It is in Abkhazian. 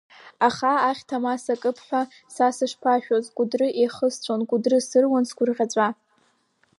Аха ахьҭа ма сакып ҳәа са сышԥашәоз, Кәыдры еихысҵәон, Кәыдры сыруан сгәырӷьаҵәа…